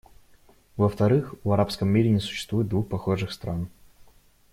Во-вторых, в арабском мире не существует двух похожих стран.